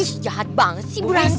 ih jahat banget sih bu ranti